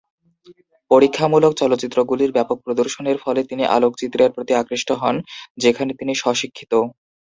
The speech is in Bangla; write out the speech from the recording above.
পরীক্ষামূলক চলচ্চিত্রগুলির ব্যাপক প্রদর্শনের ফলে তিনি আলোকচিত্রের প্রতি আকৃষ্ট হন, যেখানে তিনি স্ব-শিক্ষিত।